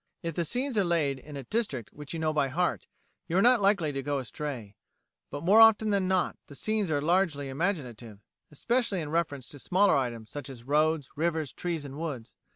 If the scenes are laid in a district which you know by heart, you are not likely to go astray; but more often than not, the scenes are largely imaginative, especially in reference to smaller items such as roads, rivers, trees, and woods.